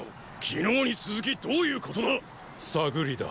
昨日に続きどういうことだ⁉探りだ。